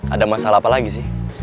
ada masalah apa lagi sih